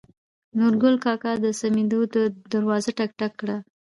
نورګل کاکا د سمدو دروازه ټک ټک کړه.